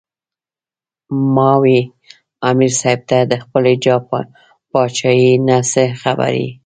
" ـ ما وې " امیر صېب تۀ د خپلې باچائۍ نه څۀ خبر ئې